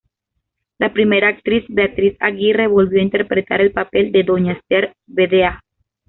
La primera actriz Beatriz Aguirre volvió a interpretar el papel de Doña Esther vda.